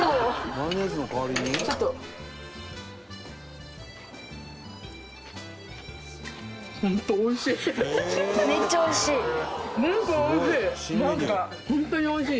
「マヨネーズの代わりに？」なんか美味しい！